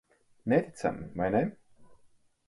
Neticami, vai ne?